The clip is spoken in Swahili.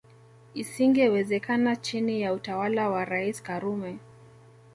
Isingewezekana chini ya utawala wa Rais Karume